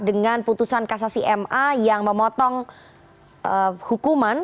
dengan putusan kasasi ma yang memotong hukuman